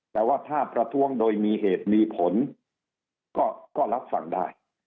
แต่ว่าถ้าประท้วงโดยมีเหตุมีผลก็รับฟังได้